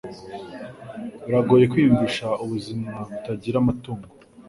Biragoye kwiyumvisha ubuzima butagira amatungo.